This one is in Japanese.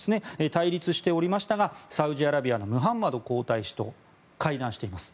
対立していましたがサウジアラビアのムハンマド皇太子と会談しています。